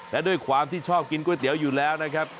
และด้วยความที่ชอบกินก๋วยเตี๋ยวอยู่แล้วนะครับ